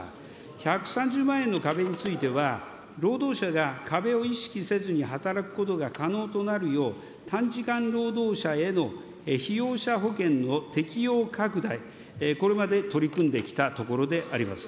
１３０万円の壁については、労働者が壁を意識せずに働くことが可能となるよう、短時間労働者への被用者保険の適用拡大、これまで取り組んできたところであります。